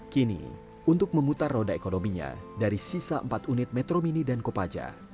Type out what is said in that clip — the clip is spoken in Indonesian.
kini untuk memutar roda ekonominya dari sisa empat unit metro mini dan kopaja